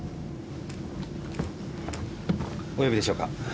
お呼びでしょうか？